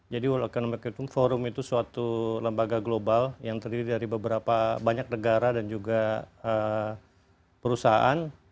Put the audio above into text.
jadi world economic forum itu suatu lembaga global yang terdiri dari banyak negara dan juga perusahaan